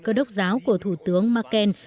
cơ đốc giáo của thủ tướng merkel